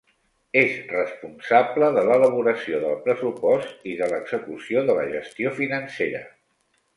És responsable de l'elaboració del pressupost i de l'execució de la gestió financera.